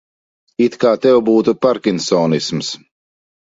It kā tev būtu pārkinsonisms.